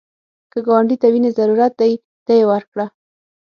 که ګاونډي ته وینې ضرورت دی، ته یې ورکړه